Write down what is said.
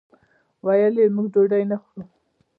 ویل یې موږ ډوډۍ نه خورو.